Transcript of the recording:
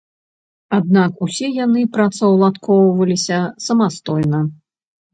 Аднак усе яны працаўладкоўваліся самастойна.